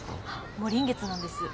もう臨月なんです。